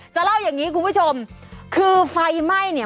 จะเล่าอย่างงี้คุณผู้ชมคือไฟไหม้เนี่ย